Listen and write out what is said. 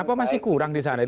apa masih kurang di sana